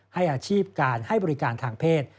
ให้อาชีพการให้บริการทางเพศ